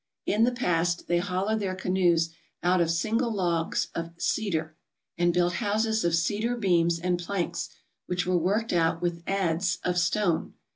In the past they hollowed their canoes out of single logs of cedar, and built houses of cedar beams and planks, which were worked out with adzes of stone.